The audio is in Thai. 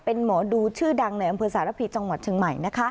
เป็นหมอดูชื่อดังในอำเภอสารพีจังหวัดเชียงใหม่